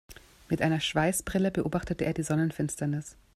Mit einer Schweißbrille beobachtete er die Sonnenfinsternis.